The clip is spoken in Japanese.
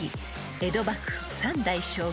江戸幕府３代将軍